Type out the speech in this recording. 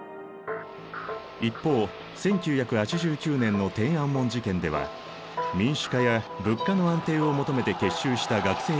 一方１９８９年の天安門事件では民主化や物価の安定を求めて結集した学生や市民を武力で鎮圧。